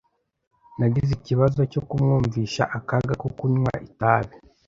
Nagize ikibazo cyo kumwumvisha akaga ko kunywa itabi.